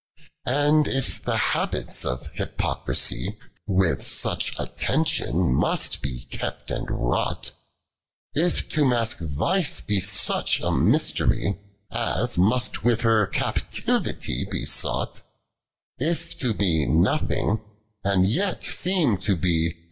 And if the habits of Hypocririe With snch attention most be kept and wniii^it ; If to mask vice be sach a misteiy. As mtut vith her captivity be soaght ; If to he nothing, and yet seem to be.